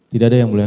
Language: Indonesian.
tidak ada yang mulia